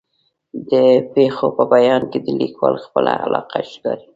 د پېښو په بیان کې د لیکوال خپله علاقه ښکاري.